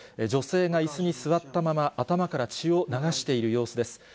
女性がいすに座ったまま、頭から血を流している様子です。